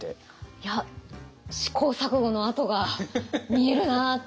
いや試行錯誤の跡が見えるなって。